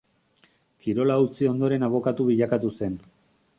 Kirola utzi ondoren abokatu bilakatu zen.